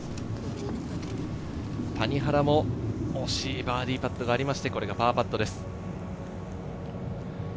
谷原も惜しいバーディーパットがありまして、これがパーパットです。